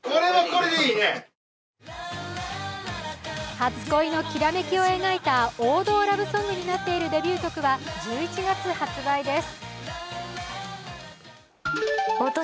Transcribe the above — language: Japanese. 初恋のきらめきを描いた王道ラブソングになっているデビュー曲は１１月発売です。